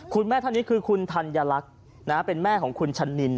คุณแม่ท่านนี้คือคุณธัญลักษณ์เป็นแม่ของคุณชะนิน